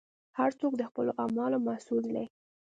هر څوک د خپلو اعمالو مسوول دی.